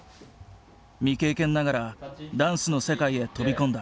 未経験ながらダンスの世界へ飛び込んだ。